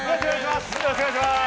よろしくお願いします！